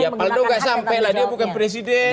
ya faldo gak sampai lah dia bukan presiden